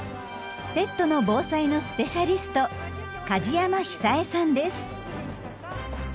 ペットの防災のスペシャリスト梶山永江さんです。